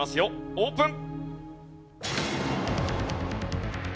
オープン！